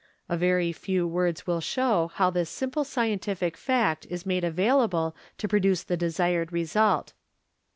A very few words will show how this simple scientific fact is made available to produce the desired result.